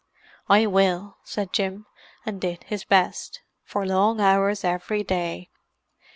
"I will," said Jim—and did his best, for long hours every day.